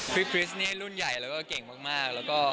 พี่คริสเนี่ยรุ่นใหญ่แล้วก็เป็นคนเก่งมาก